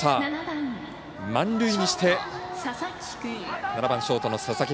満塁にして７番ショート、佐々木。